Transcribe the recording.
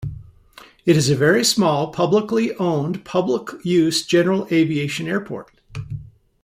It is a very small, publicly owned public-use general aviation airport.